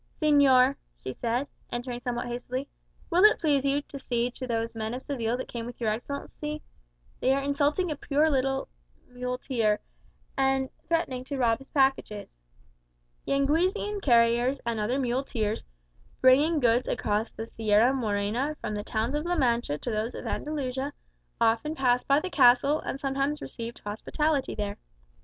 "Señor," she said, entering somewhat hastily, "will it please you to see to those men of Seville that came with your Excellency? They are insulting a poor little muleteer, and threatening to rob his packages." Yanguesian carriers and other muleteers, bringing goods across the Sierra Morena from the towns of La Mancha to those of Andalusia, often passed by the castle, and sometimes received hospitality there.